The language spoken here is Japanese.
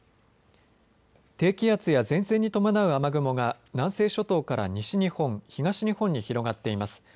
低気圧や前線に伴う雨雲が南西諸島から西日本、東日本に広がっています。